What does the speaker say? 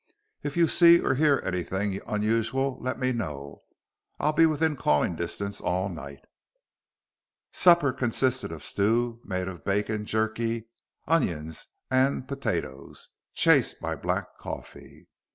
"If you see or hear anything unusual, let me know. I'll be within calling distance all night." Supper consisted of stew made of bacon, jerky, onions, and potatoes, chased by black coffee.